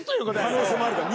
可能性もあるから。